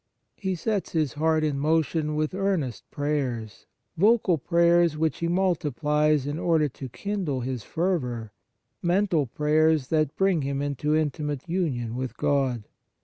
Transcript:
He sets his heart in motion with earnest prayers, vocal prayers which he multiplies in order to kindle his fervour, mental prayers that bring him into intimate union with God.